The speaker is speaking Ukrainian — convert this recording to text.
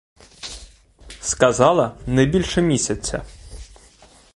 Сказала, не більше місяця.